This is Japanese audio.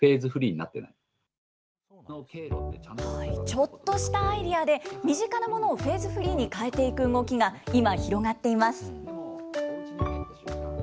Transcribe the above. ちょっとしたアイデアで、身近なものをフェーズフリーに変えていく動きが今、広がっています。